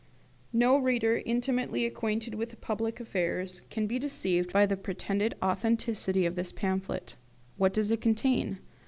No reader intimately acquainted with public affairs can be deceived by the pretended authenticity of this pamphlet. What does it contain?